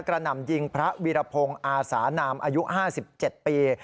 หนำยิงพระวีรพงศ์อาสานามอายุ๕๗ปี